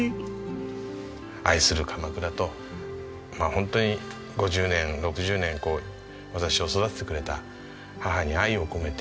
愛する鎌倉とまあホントに５０年６０年こう私を育ててくれた母に愛を込めて。